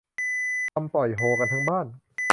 ทำปล่อยโฮกันทั้งบ้าน